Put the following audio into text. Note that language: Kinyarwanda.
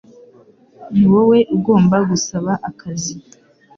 Ni wowe ugomba gusaba akazi